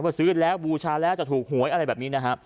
ว่าซื้อแล้วบูชะแล้วจะถูกหวยอะไรแบบนี้